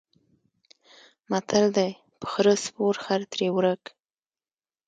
متل دی: په خره سپور خر ترې ورک.